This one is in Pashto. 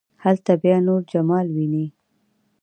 هلته بیا نور جمال ويني.